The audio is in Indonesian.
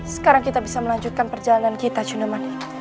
sekarang kita bisa melanjutkan perjalanan kita cinemati